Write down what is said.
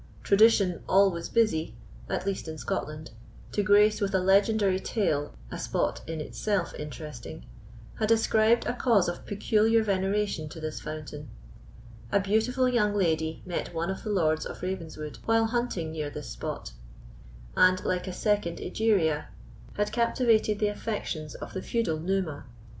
Tradition, always busy, at least in Scotland, to grace with a legendary tale a spot in itself interesting, had ascribed a cause of peculiar veneration to this fountain. A beautiful young lady met one of the Lords of Ravenswood while hunting near this spot, and, like a second Egeria, had captivated the affections of the feudal Numa.